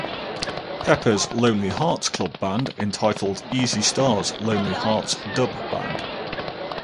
Pepper's Lonely Hearts Club Band" entitled "Easy Star's Lonely Hearts Dub Band".